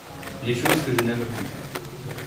Les choses que je n’aime plus.